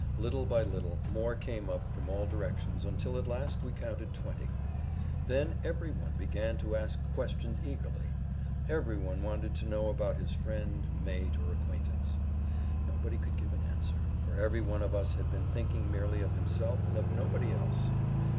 Little by little more came up from all directions until at last we counted twenty. Then every one began to ask questions eagerly; every one wanted to know about his friend, mate, or acquaintance. Nobody could give an answer, for every one of us had been thinking merely of himself and of nobody else.